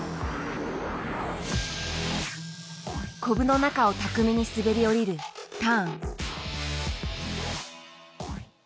コブの中を巧みに滑り降りるターン。